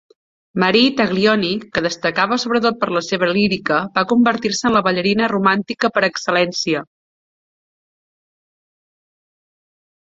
Marie Taglioni, que destacava sobretot per la seva lírica, va convertir-se en la ballarina romàntica per excel·lència.